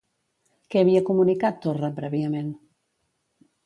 Què havia comunicat Torra prèviament?